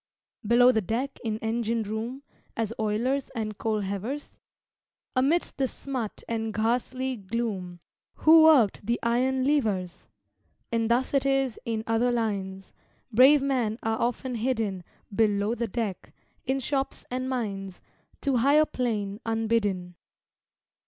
Below the deck in engine room, As oilers and coal heavers? Amidst the smut and ghastly gloom, Who worked the iron levers? And thus it is in other lines; Brave men are often hidden "Below the deck," in shops and mines, To higher plane unbidden.